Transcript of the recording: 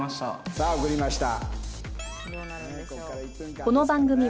さあ送りました。